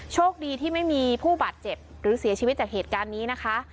โชคดีที่ไม่มีผู้บาดเจ็บหรือเสียชีวิตจากเหตุการณ์นี้นะคะ